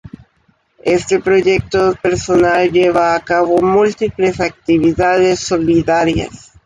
Este proyecto personal lleva a cabo múltiples actividades solidarias.